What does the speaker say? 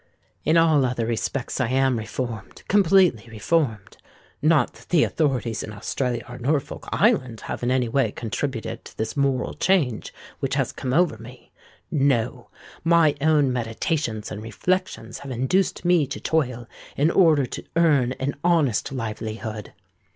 In all other respects I am reformed—completely reformed. Not that the authorities in Australia or Norfolk Island have in any way contributed to this moral change which has come over me: no—my own meditations and reflections have induced me to toil in order to earn an honest livelihood.